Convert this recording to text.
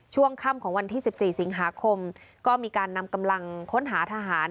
ช่วงค่ำของวันที่๑๔สิงหาคมก็มีการนำกำลังค้นหาทหาร